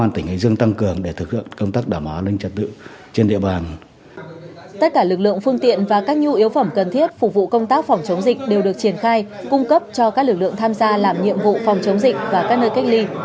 tất cả lực lượng phương tiện và các nhu yếu phẩm cần thiết phục vụ công tác phòng chống dịch đều được triển khai cung cấp cho các lực lượng tham gia làm nhiệm vụ phòng chống dịch và các nơi cách ly